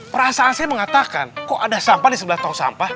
perasaan saya mengatakan kok ada sampah di sebelah tong sampah